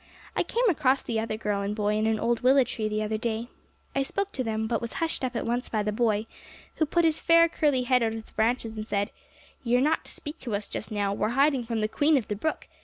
I came across the other girl and boy in an old willow tree the other day. I spoke to them, but was hushed up at once by the boy, who put his fair curly head out of the branches, and said, "You're not to speak to us just now; we're hiding from the Queen of the Brook!